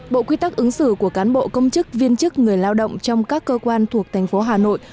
bộ quy tắc ứng xử của cán bộ công chức viên chức người lao động trong các cơ quan thuộc thành phố hà nội